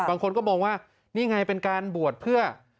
บางคนก็มองว่านี่ไงเป็นการบวชเพื่อ